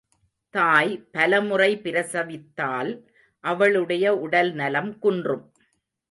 தாய் பலமுறை பிரசவித்தால் அவளுடைய உடல் நலம் குன்றும்.